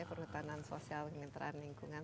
perhutanan sosial penginteran lingkungan